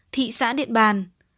thị xã điện bàn